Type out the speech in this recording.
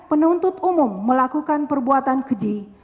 penuntut umum melakukan perbuatan keji